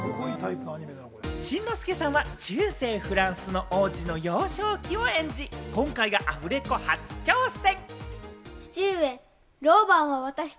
新之助さんは中世フランスの王子の幼少期を演じ、今回がアフレコ初挑戦。